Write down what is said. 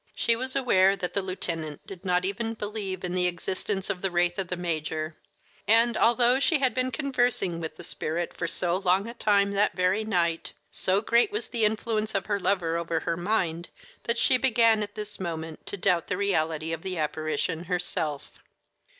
She was aware that the lieutenant did not even believe in the existence of the wraith of the major, and although she had been conversing with the spirit for so long a time that very night, so great was the influence of her lover over her mind that she began at this moment to doubt the reality of the apparition herself.